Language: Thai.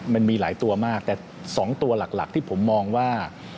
มันมีหลายตัวมากแต่๒ตัวหลักที่ผมมองว่า